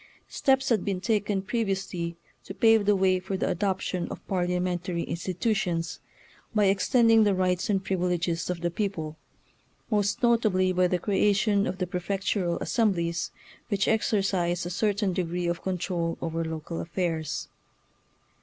Steps had been taken pre viously to pave the way for the adoption of parliamentary institutions by extend ing the rights and privileges of the peo ple, most notably by the creation of the prefectural assemblies, which exercise a certain degree of control over local affairs.